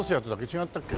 違ったっけ？